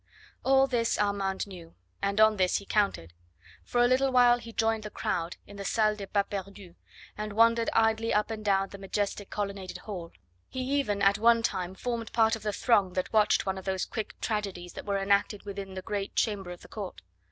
All this Armand knew, and on this he counted. For a little while he joined the crowd in the Salle des Pas Perdus, and wandered idly up and down the majestic colonnaded hall. He even at one time formed part of the throng that watched one of those quick tragedies that were enacted within the great chamber of the court.